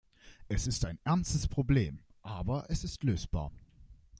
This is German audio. Es ist ein ernstes Problem, aber es ist lösbar.